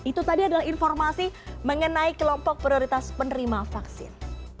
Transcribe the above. itu tadi adalah informasi mengenai kelompok prioritas penerima vaksin